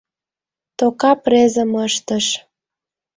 Тока презым ыштыш.